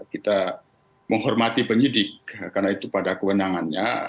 kita menghormati penyidik karena itu pada kewenangannya